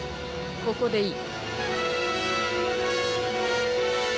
ここでいい。